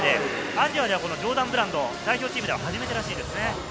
アジアではジョーダンブランド、代表チームでは初めてらしいですね。